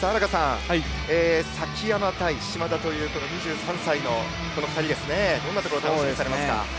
崎山対嶋田という２３歳のこの２人ですがどんなところを楽しみにされますか。